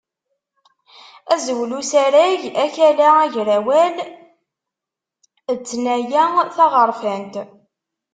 Azwel usarag: Akala agrawal d tnaya taɣerfant.